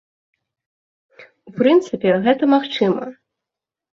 У прынцыпе, гэта магчыма.